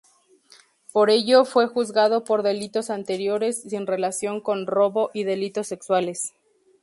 Por ello, fue juzgado por delitos anteriores, sin relación con robo y delitos sexuales.